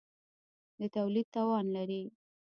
د تولید توان لري.